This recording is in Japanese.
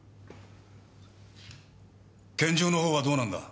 拳銃の方はどうなんだ？